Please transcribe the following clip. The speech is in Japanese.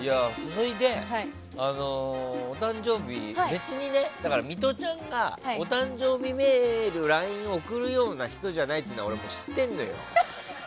それで、お誕生日別にミトちゃんがお誕生日メール、ＬＩＮＥを送るような人じゃないって俺も知ってるのよ。